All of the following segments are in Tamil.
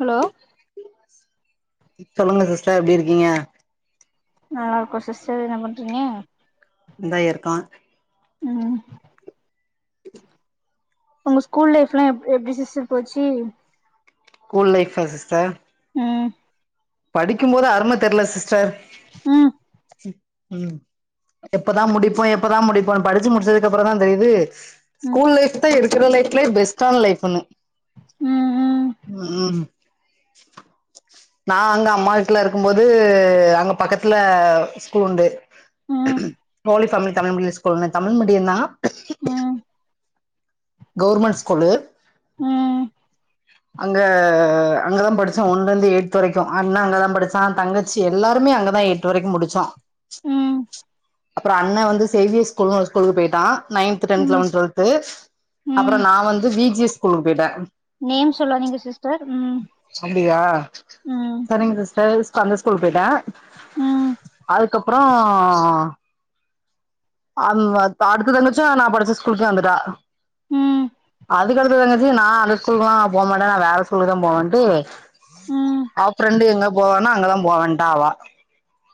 ஹலோ இப்ப சொல்லுங்க சிஸ்டர் எப்டிருக்கீங்க நல்லாருக்கோ சிஸ்டர் என்ன பண்றீங்க இந்தா இருக்கோ ம் உங்க ஸ்கூல் லைஃப்ல்லா எப் எப்டி சிஸ்டர் போச்சு ஸ்கூல் லைஃப்பா அ சிஸ்டர் ம் படிக்கும் போது அரும தெரில சிஸ்டர் ம் ம் எப்பதா முடிப்போ எப்பதா முடிப்போ படிச்சு முடிச்சதுக்கு அப்புறந்தா தெரியுது ம் ஸ்கூல் லைஃப் தா இருக்குற லைஃப்லயே பெஸ்டான லைஃப்ன்னு ம் ம் நா அங்க அம்மா வீட்டுல இருக்கும்போது அங்க பக்கத்துல ஸ்கூல் உண்டு ம் [unintelligible] Tamil medium school Tamil medium தா ம் கவுர்மெண்ட் ஸ்கூல்லு ம் அங்க அங்கதா படிச்சோ ஒன்னுந்து எயத்து வரைக்கு அண்ணா அங்கதா படிச்சா தங்கச்சி எல்லாருமே அங்கதா எய்ட்து வரைக்கு முடிச்சோ ம் அப்றோ அண்ண வந்து சேவியர் ஸ்கூல்ன்னு ஒரு ஸ்கூலுக்கு போயிட்டான் நைன்த், டென்த், ம் லெவன்த், டுவெல்த் அப்றோ ம் நா வந்து வி ஜி ஸ் ஸ்கூலுக்கு போயிட்டே நேம் சொல்லாதீங்க சிஸ்டர் ம் அப்டியா ம் செரிங்க சிஸ்டர் ஸ்க அந்த ஸ்கூல்க்கு போயிட்டே ம் அதுக்கப்றோ ம் அடுத்த தஞ்சுசா நா படிச்ச ஸ்கூலுக்கே வந்துட்டா ம் அதுக்கடுத்து என்னாச்சு நா அந்த ஸ்கூலுக்கெல்லா போ மாட்டே நா வேற ஸ்கூலுக்குதா போவன்ட்டு ம் அவ ஃபிரெண்டு எங்க போவானோ அங்கதா போவன்டா அவ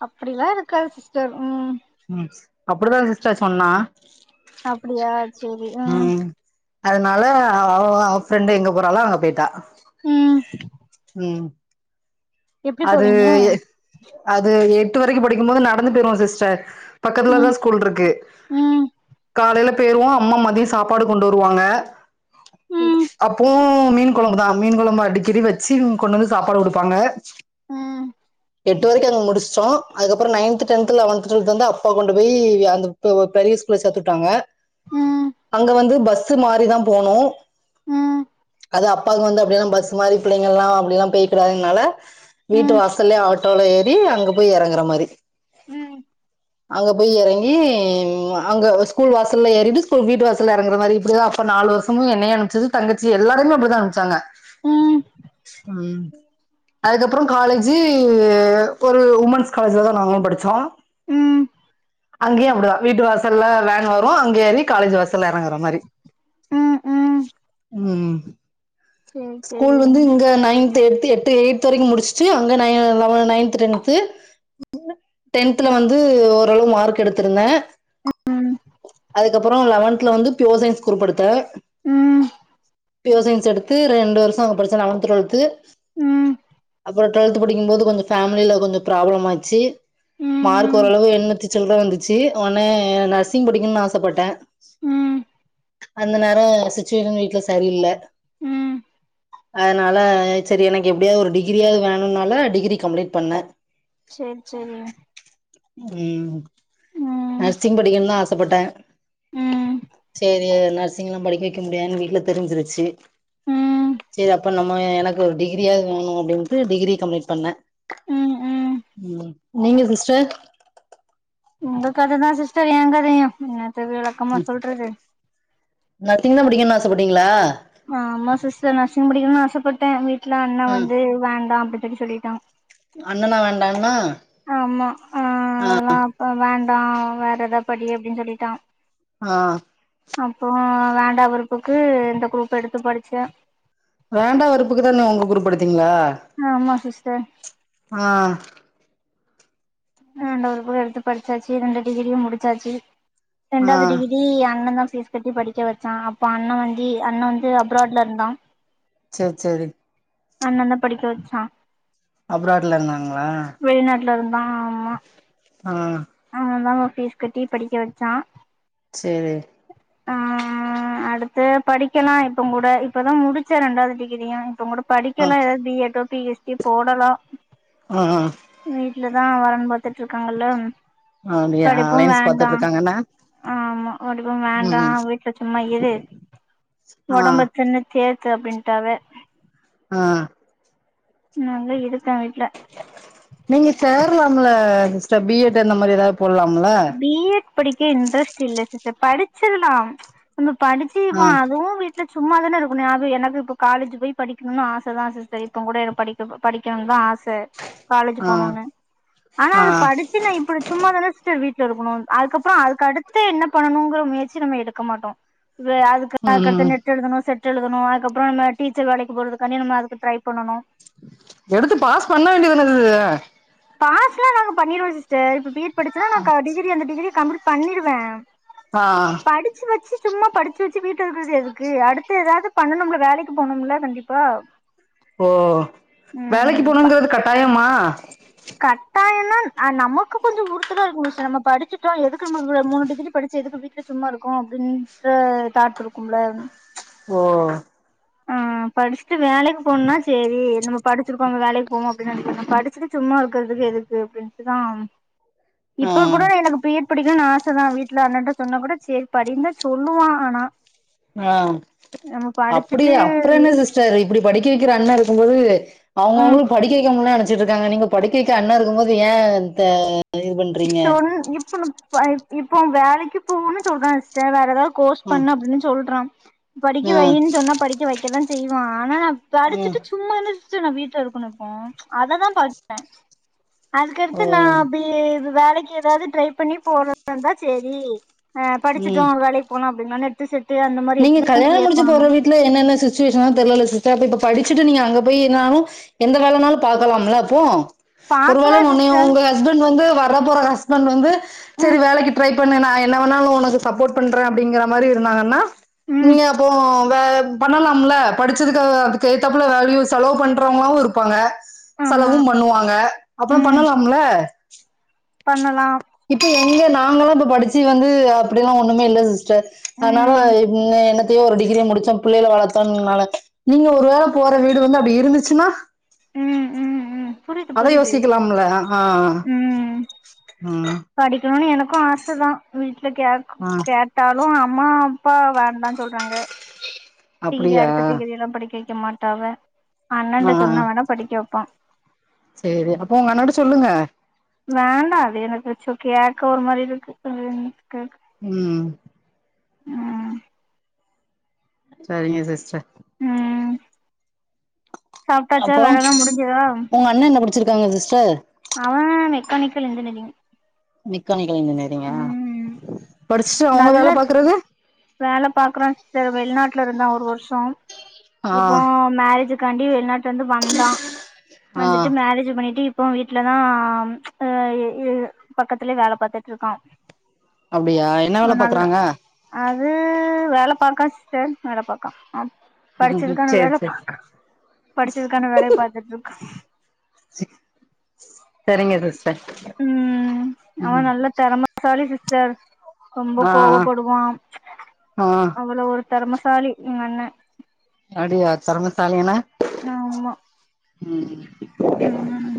அப்படியெல்லா இருக்காது சிஸ்டர் ம் ம் அப்டிதா சிஸ்டர் சொன்னா அப்டியா சேரி ம் அதனால அவ அவ ஃப்ரெண்டு் எங்க போறாலோ அங்க போயிட்டா ம் ம் எப்டி அது போவீங்க அது எ ஃப்வ்த் வரைக்கு படிக்கும்போது நடந்து போய்ருவோ சிஸ்டர் பக்கத்துலதா ம் ஸ்கூல் இருக்கு ம் காலைல போயிருவோ அம்மா மதியோ சாப்பாடு கொண்டு வருவாங்க ம் அப்போ மீன் கொழம்புதான் மீன் கொழம்பு அடிக்கடி வெச்சு கொண்டு வந்து சாப்பாடு குடுப்பாங்க ம் எட்டு வரைக்கு அங்க முடிச்சிட்டோ அதுக்கப்பறோ நைன்த், டென்த் லெவென்த், டுவெல்த் வந்து அப்பா கொண்டு போய் அந்த ப் பெரிய ஸ்கூல்ல சேத்துட்டாங்க ம் அங்க வந்து பஸ் மாறிதா போனு ம் அது அப்பாக்கு வந்து அப்டியெல்லா பஸ் மாரி பிள்ளைங்ளா அப்டியல்லாம் போய்கிடாதுனால வீட்டு ம் வாசல்லயே ஆட்டோல ஏறி அங்க போய் எறங்கிற மாரி [inaudible] அங்க போய் எறங்கி அங்க ஸ்கூல் வாசல்ல ஏறிட்டு ஸ்கூல் வீட்டு வாசல்ல இறங்கிற மாரி இப்படிதா அப்பா நா நாலு வருஷமு என்னைய அனுப்பிச்சது தங்கச்சி எல்லாருமே அப்டிதா அனுப்ச்சாங்க ம் ம் அதுக்க காலேஜி ஒரு உமன்ஸ் காலேஜிலதா நாங்களு படிச்சோ ம் அங்கேயு அப்டிதா வீட்டு வாசல்ல வேன் வரு அங்கே ஏறி காலேஜ் வாசல்ல எறங்கிற மாரி ம் ம் ம் சேரி சேரி ஸ்கூல் வந்து இங்க நைன்த் எ எட்டு எய்த் வரைக்கு மு டிச்சிட்டு அங்க நயன்த், டென்த்து டென்த்ல வந்து ஓரளவு மார்க் எடுத்திருந்தே ம் அதுக்கப்பறோ லெவன்த்ல வந்து பியுர் சயின்ஸ் குரூப் எடுத்தே ம் பியுர் சயின்ஸ் எடுத்து ரெண்டு வருஷோ அங்க படிச்சேன் லெவன்த், டுவெல்த்து ம் அப்றோ டுவெல்த் படிக்கும்போது கொஞ்சோ ஃபேமில கொஞ்சோ ப்ராப்ளம் ஆச்சு ம் மார்க் ம் ஓரளவு என்னத் சில்ற வந்துச்சு ஒன்னே நர்சிங் படிக்கனுனு ஆசப்பட்டே ம் அந்த நேரோ சுச்சுவேஷன் வீட்ல செரியில்ல ம் அதனால செரி எனக்கு எப்டியாவது ஒரு டிகிரியாவது வேணுனால டிகிரி கம்ப்ளீட் பண்ணே சேரி சேரி ம் ம் ம் நர்சிங் படிக்கணுனு ஆசப்பட்டே ம் சேரி நர்சிங் எல்லா படிக்க வைக்க முடியான்னு வீட்ல தெரிஞ்சிருச்சு ம் சேரி அப்ப நம்ம எனக்கு ஒரு டிகிரியாவது வாங்கனு அப்டின்ட்டு டிகிரி கம்ப்ளீட் பண்ணே ம் ம் நீங்க சிஸ்டர் உங்க கததான் சிஸ்டர் என் கதையு என்னத்த விளக்கமா சொல்றது நர்சிங்தா படிக்கனுனு ஆசப்பட்டீங்ளா ஆமா சிஸ்டர் நர்சிங் படிக்கணுனு ஆசப்பட்டே வீட்ல அண்ணா ஆ வந்து வேண்டா அ அப்டி சொல்லிட்டா அண்ணனா வேண்டாகண்ணா ஆமா ஆ அதெல்லா இப்ப வேண்டா வேற ஏதா படி அப்டின்னு சொல்லிட்டா ஆ அப்புறோ வேண்டா வெறுப்புக்கு இந்த குரூப் எடுத்து படிச்சே வேண்டா வெறுப்புக்கு தா நீ உங்க குரூப் எடுத்தி ஆமா சிஸ்டர் ஆ வேண்டா வெறுப்பா எடுத்து படிச்சாச்சு ரெண்டு டிகிரியு முடிச்சாச்சு ஆ ரெண்டாவ்து டிகிரி அண்ண தா ஃபீஸ் கட்டி படிக்க வெச்சா அப்ப அண்ண வந்து அண்ண வந்து அப்ராட்ல இருந்தா செ சேரி அண்ண தா படிக்க வெச்சா அப்ராட்ல இருந்தாங்களா ட்ல இருந்தா ஆமா ஆ அவன் தான் ஃபீஸ் கட்டி படிக்க வெச்சா சேரி ஆ ஆ ஆ அடுத்து படிக்கலா இப்ப கூட இப்பதா முடிச்சே ரெண்டாவது டிகிரியு இப்பங்கூட ஆ படிக்கலா ஏதாது பி எட்டோ பி எஸ் டி போடலா ஆ ஆ வீட்டுலதா வரன் பாத்துட்டு இருக்காங்கள்ள அப்டியா அலையன்ஸ் பாத்துட்டு இருக்காங்கன்னா ஆமா [unintelligible] வேண்டா ம் வீட்ல சும்மா இரு ஆ ஒடம்ப தின்னு தே து அப்டின்ட்டாரு ஆ நாலே இருக்கே வீட்டுல நீங்க சேரலாம்ல சிஸ்டர் பி எட் அந்த மாரி ஏதா போட்லாம்ல பி எட் படிக்க இன்ட்ரெஸ்ட் இல்ல சிஸ்டர் படிச்சிட்லா நம்ம படிச்சு இப்ப ஆ அதுவு வீட்ல சும்மாதானே இருக்கனு அது எனக்கு இப்போ காலேஜ் போய் படிக்கணுனு ஆச தா சிஸ்டர் இப்போ கூட படிக்க படிக்கணுனு தா ஆச் ச காலேஜ் ஆ போனுனு ஆனா ஆ அது படிச்சு நா இப்டி சும்மாதானே சிஸ்டர் வீட் ல இருக்கணு அதுக்கப்புற அதுக்கடுத்து என்ன பண்ணணுங்குற முயற்சி நம்ம எடுக்க மாட்டோ வே அதுக் ம் அதுக்கடுத்து நெட் எழுதணு செட் டெழுதணு அதுக்கப்புற அந்த டீச்சர் வேலைக்கு போறதுக்கானி நம்ம அதுக்கு ட்ரை பண்ணணு எடுத்து பாஸ் பண்ண வேண்டியதானதுது பாஸ்லா நாங்க பண்ணிருவோ சிஸ்டர் இப்ப பி எட் படிச்சனா நா க டிகிரி அந்த டிகிரிய கம்ப்ளீட் பண்ணிருவே ஆ படிச்சு வெச்சு சும்மா படிச்சு வெச்சு வீட்ல இருக்குறது எதுக்கு அடுத்து ஏதாவது பண்ணனும்ல வேலைக்கு போனும்ல கண்டிப்பா ஓ வேலைக்கு ம் போணுங்கிறது கட்டாயமா நன் ஆ நமக்கு கொஞ்ச உறுத்தலா இருக்கு சிஸ்டர் நம்ம படிச்சிட்டோ எதுக்கு நம்ம அந்த மூணு டிகிரி படிச்சு எதுக்கு வீட்டுல சும்மா இருக் கோ அப்டின்டு தாட் இருக்கும்ல ஓ ஆ படிச்ட்டு வேலைக்கு போனுன்னா சேரி நம்ம படிச்சிருக்கோ அங்க வேலைக் போவோ அப்டின் நெனக்குற நா படிச்சுட்டு சும்மா இருக்கறதுக்கு எதுக்கு அப்டின்ட்டுதா ஆ இப்போ கூட எனக்கு பி எட் படி கனு ஆச தா வீட்டுல அண்ணாட்ட சொன்ன கூட சேரி படினுதா சொல்லுவா ஆனா ஆ நம்ம படிச்சுட்டு அப்டியா அப்புற என்ன சிஸ்டர் இப்டி படிக்க வைக்கிற அண்ண இருக்கும்போது ம் அவங்கவுங்களுக்கு படிக்க வைக்க முடில நெனச்சட்டு இருக்காங்க நீங்க படிக்க வைக்க அண்ண இருக்கும் போது ஏ அந்தா சொன் இப்பனு ம் இப்போ வேலைக்கு போகன்னு சொல்றா சிஸ்டர் வேற ஏதா கோர்ஸ் ஆ பண்ணு அப்டினு சொல்றா படிக்க வையின் ஆ சொன்னா படிக்க வைக்கதா செய்வா ஆனா நா ஆ படிச்சுட்டு சும்மா தானே சிஸ்ட்ர் நா வீட்ல இருக்கணு இப்போ அததா பாக்குறே ஓ அதுக்கடுத்து நா அப்டியே வேலைக்கு எதாவ்து ட்ரை பண்ணி போறதிர்ந்தா செரி ஆ ம் படிச்சிட்டுடோ வேலைக் போலான் அப்டின்தானே டிசட் நீங்க கல்யாண முடிச்சி போற வீ்ட்ல என்னென்ன சிச்சுவேஷனோ தெரிலேல்ல சிஸ் சர் இப்ப படிச்சுட்டு நீங்க அங்க போய் என்னாலூ எந்த வேலைனாலு பாக்கலாம்ல அப்போ ஒருவேள பாக்கலா உன்னைய சிஸ்டர் உங்க ஹஸ்பண்ட் வந்து வர போற ஹஸ்பண்ட் வந்து செரி ம் வேலைக்கு ட்ரை பண்ணு நா என்ன வேணாலு உனக்கு சப்போட் பண்றே அப்டிங்கற மாரி இருந்தாங்கனா ம் நீங்க அப்போ வ பண்ணலாம்ல படிச்சதுக்கு அ அதுக்கேத்தாப்புல வேல்யூ செலவு பண்றவங்ளாவூ இருப்பாங்க ஆமா செலவும் பண்ணுவாங்க அப்றோ ம் பண்ணலாம்ல பண்ணலா இப்ப எங்க நா நாங்களூ இப்ப படிச்சு வந்து அப்டிலா ஒன்னுமே இல்ல சிஸ்டர் அத்னால ம் என்ன என்னத்தையோ ஒரு டிகிரி முடிச்சோ பிள்ளைகள வளத்தோம்னால நீங்க ஒரு வேள போற வீடு வந்து அப்டி இருந்துச்சினா ம் ம் ம் புரிது புரிது யோசிக்கலாம்ல ஆ ம் ம் படிக்கணூன் எனக் க்கூ ஆச தா வீட்ல கேக் ஆ கேட்டாலூ அம்மா பா வேண்டான் சொல்றாங்க டிகிரி அப்படியா அடுத்த டிகிரி எல்லா படிக்க வெக்க மாட்டாங்க அண்ணான்ட சொன்ன வேணா படிக்க வப்பா செரி அப்போ உங்க அண்ணகிட்ட சொல்லுங்க வேண்டா அது எனக்கு சோ கேக்க ஒரு மாரி இருக்கு என்க்கு ம் ம் சரிங்க சிஸ்டர் ம் சாப்ட்டாச்சா அப்றோ வேலலா முடிஞ்சதா உங்க அண்ண என்ன படிச்சிருக்காங்க சிஸ்டர் அவ மெக்கானிக்கல் இன்ஜினியரிங் மெக்கானிக்கல் இன்ஜினியரிங்கா ம் படிச்ட்டு அவங்க நல்ல வேல பாக்குறது வேல பாக்றா சிஸ்டர் வெளிநாட்டுல இருந்தா ஒரு வருஷோ ஆ இப்போ மேரேஜுக் க்காண்டி வெளிநாட்டுலேந்து வந்தா ஆ வந்துட்டு மேரேஜு பண்ணிட்டு இப் இப்போ வீட்லதா ஆ எ பக்கத்துலேயே வேல பாத்துட்ருக்கா அப்டியா என்ன வேல பாக்குறாங்க அது வேல பாக்கா சிஸ்டர் வேல பாக்கா படிச்சதுக்கான சரி வேல சரி பாக்கா படிச்சதுக்கான வேலைய பாத்துட்ருக்கா செரிங்க சிஸ் ம் அவ நல்ல தெறமசாலி சிஸ்டர் ரொம்ப ஆ கோவப்படுவா ஆ ஆ அவ்ளோ ஒரு தெறமசாலி எங்கண்ணே அப்டியா தெறமசாலினா ஆமா ம் ம்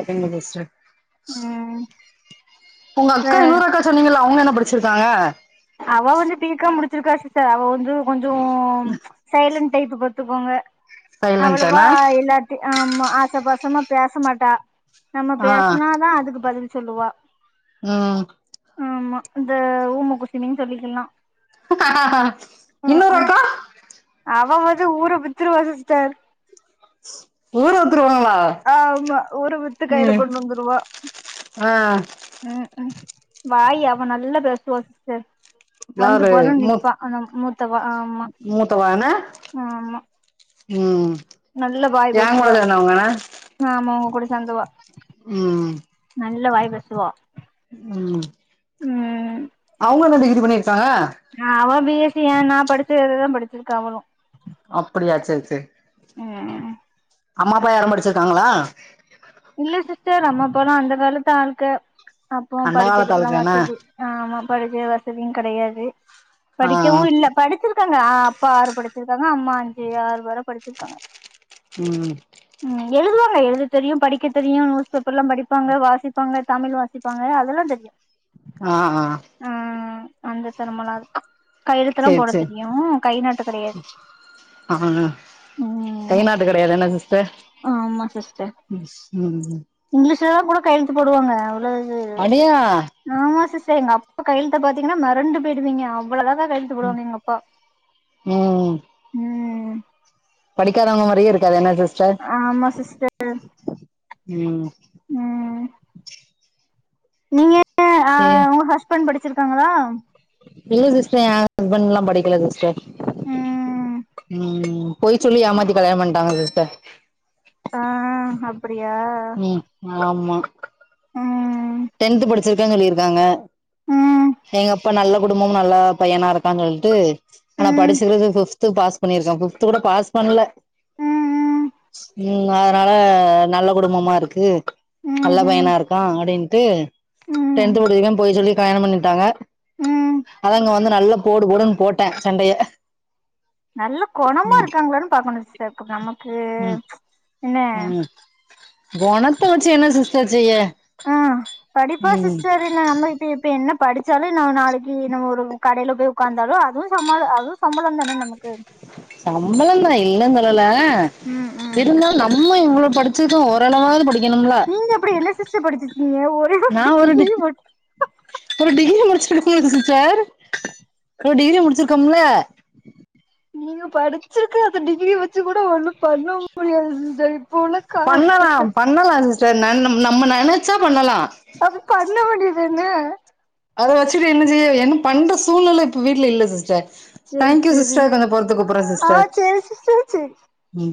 ஓகேங்க சிஸ்டர் ம் உங்கக்கா இன்னொரு அக்கா சொன்னீங்கல அவங்க என்ன படிச்சிருக்காங்க அவ வந்து பி காம் முடிச்சிருக்கா சிஸ்டர் அவ வந்து கொஞ்சோம் சைலன்ட் டைப்பு பாத்துக்கோங்க அவ்ளவா சைலன்ட்டானா எல்லாத் ஆமா ஆசபாசமா பேசமாட்டா நம்ம ஆ பேசுனாதா அதுக்கு பதில் சொல்லுவா ம் ஆமா இந்த ஊம குசுமின் சொல்லிக்கலா இன்னொரு அக்கா அ ஊர வித்துருவா சிஸ்டர் ஊர வித்ருவா ஆ ஆமா ஊர வித்து கைல கொண்டு வந்துருவா ஆ ம் ம் வாய் அவ நல்ல பேசுவா சிஸ்டர் வந்து யாரு போறோன் மூ நிப்பா அ மூத்தவா ஆமா மூத்தவா என்ன ஆமா ம் நல்ல வாய் என் கூட பேசுவா சேந்தவங்கனா ஆமா அவுங் கூட சேந்து அவ ம் நல்ல வாய் பேசுவா ம் ம் அவுங்க என்ன டிகிரி பண்ணிருக்காங்க பிஎஸ்சி ஏ நா படிச்சது தா படிச்சிருக்கா அவுளு அப்டியா சேர் சேரி ம் அம்மா அப்பா யாரு படிச்சிருக்காங்ளா இல்ல சிஸ்டர் அம்மா அப்பாலா அந்த காலத்து ஆளுங்க அப்போ அந்த காலத்து படிக்கர்த்துக்குலா ஆளுக என்ன வசதி ஆ ஆமா படிக்க வசதியு கடையாது ஆ படிக்கவும இல்ல படிச்சிரு க்காங்க அப்பா ஆறு படிச்சிருக்காங்க அம்மா அஞ்சு ஆறு வர படிச்சிருக்காங்க ம் ம் எழுதுவாங்க எழுத தெரியு படிக்க தெரியு நியூஸ் பேப்பர்லா படிப்பாங்க வாசிப்பாங்க தமிழ் வாசிப்பாங்க அதெல்லா தெரியு ஆ ஆ ம் அந்த தெறமலாருக்கு கையெழுத்துல்லா சேரி போட சேரி தெரியு கை நாட்டு கெடையாது ஆ ஹா ம் கைநாட்டு கெடையாது என்ன சிஸ்டர் ஆமா சிஸ்டர் ம் இங்லிஷ் கூட கையெழுத்து போடுவாங்க அவள இது அடியா ஆமா சிஸ்டர் டர் எங்கப்பா கையெழுத்த பாத்தீங்கன்னா மெரண்டு போய்டுவீங்க அவ்ளோ அழகா கையெழுத்து போடுவாங்க எங்க அப்பா ம் ம் படிக்காதவங்க மாரியே இருக்காது என்ன சிஸ் ஆமா சிஸ்டர் [unintelligible] ம் நீங்க அ சேரி உங்க ஹஸ்பண்ட் படிச்சிருக்காங்ளா இல்ல சிஸ்டர் ஏன் ஹஸ்பண்ட்ல்லா படிக்கல சிஸ்டர் ம் ம் பொய் சொல்லி ஏமாத்தி கல்யாணோ பண்ணிட்டாங்க சிஸ்டர் ஆ அப் ம் ஆமா ம் டென்த் படிச்சிருக்கன் சொல்லிருக்காங்க ம் எங்கப்பா நல்ல குடும்போ நல்ல பையனாருக்கான் சொல்லிட்டு ஆனா ம் படிச்சக்கறது ஃபிஃப்த் து பாஸ் பண்ணிருக்கா ஃபிஃவ்த்து கூட பாஸ் பண்ணல ம் ம் அதனால நல்ல குடும்பமாருக்கு ம் நல்ல ம் பையனாருக்கா அப்டின்ட்டு ம் டென்த் முடிச்சிக்கே பொய் சொல்லி கல்யாணம் பண்ணிட்டாங்க ம் அதா இங்க வந்து நல்லா போடு போடுன் போட்டே சண்டைய நல்ல கொணமா ம் இருக்காங்ளான் பாக்கணு சிஸ்டர் இப்ப நமக்கு ம் என்ன கொணத்த வச்சு என்ன சிஸ்ட்ர் செய்ய ஆ படிப்பு ம் சிஸ்டர் நம் இப் இப்ப என்ன படிச்சாலு நா நாளைக்கு நம்ம ஒரு கடைல போய் உக்காந்தாலு அதுவு சம்பலோ அதுவு சம்பளம் தான நமக்கு சம்பளம் தான் இல்ல சொல்லல ம் ம் இருந்தாலு நம்ம படிச்சது ஓரளவாது படிக் நீங்க அப்டி என்ன சிஸ்டர் படிச்சுருக்கீங்க நா ஒரு டி [unintelligible] ஒரு டிகிரி முடிச் எக்ஸ்கீயூஸ் மி சிஸ்டர் ஒரு டிகிரி முடிச்சுருக்கோம்ல நீங்க படிச்சிருக்க அந்த டிகிரி வெச்சு கூட ஒண்ணு பண்ண முடியாது சிஸ்டர் உள்ள பண்ணலா காலகட்ட பண்ணலா சிஸ்டர் நெ நம்ம நெனச்சா பண்ணலா அப்ப பண்ண வேண்டி தானே அத வெச்சுட்டு என்ன செய்ய என்னு பண்ற சூழ்நில இப்ப வீட்ல இல்ல சிஸ்டர் சேரி தேங்க்யூ சேரி சிஸ்டர் கொஞ்சோ பொறுத்து கூப்புறே ஆ சிஸ்டர் சேரி சிஸ்டர் சேரி ம்